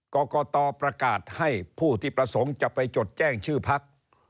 กรกตประกาศให้ผู้ที่ประสงค์จะไปจดแจ้งชื่อพัก